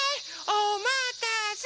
おまたせ！